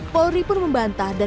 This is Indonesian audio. demi mengikut pendidikan